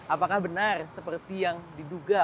apakah benar seperti yang diduga